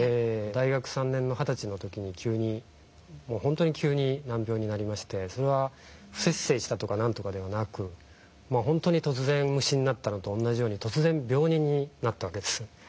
大学３年の二十歳の時に急に本当に急に難病になってそれは不摂生したとか何とかではなく本当に突然虫になったのと同じように突然病人になったわけです。